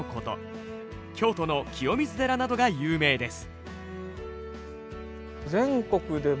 京都の清水寺などが有名です。